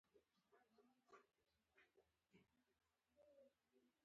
امیر شېر علي د وایسرا هیات نه رداوه.